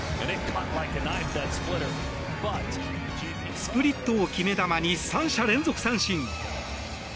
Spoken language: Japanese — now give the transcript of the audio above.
スプリットを決め球に３者連続三振。